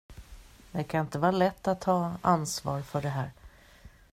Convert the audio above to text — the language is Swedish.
Det kan inte vara lätt att ha ansvar för det här.